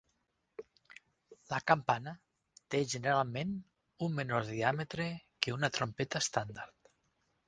La campana té generalment un menor diàmetre que una trompeta estàndard.